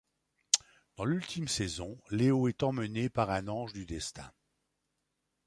Dans l'ultime saison, Léo est emmené par un Ange du Destin.